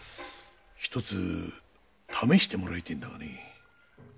ひとつ試してもらいてえんだがね。